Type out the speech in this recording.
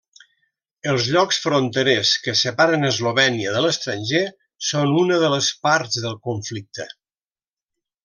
Els llocs fronterers que separen Eslovènia de l'estranger són una de les parts del conflicte.